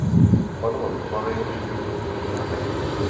Panovaly obavy, že by to bylo drahé.